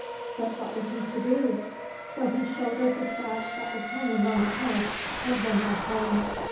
But what was he to do ? So he shouldered the sack that was hanging on the peg, and went off home.